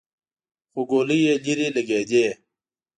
خو ګولۍ يې ليرې لګېدې.